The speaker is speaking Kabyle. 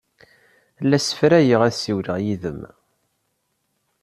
La ssefrayeɣ ad ssiwleɣ yid-m.